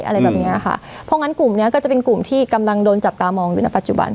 อะไรแบบเนี้ยค่ะเพราะงั้นกลุ่มเนี้ยก็จะเป็นกลุ่มที่กำลังโดนจับตามองอยู่ในปัจจุบัน